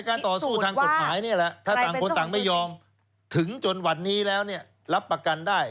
การต่อสู้ทางกฎหมายนี่แหละถ้าต่างคนต่างไม่ยอมถึงจนวันนี้แล้วเนี่ยรับประกันได้